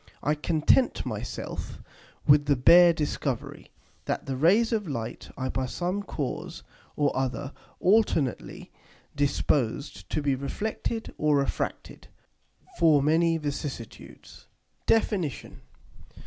I content my self with the bare Discovery, that the Rays of Light are by some cause or other alternately disposed to be reflected or refracted for many vicissitudes. DEFINITION.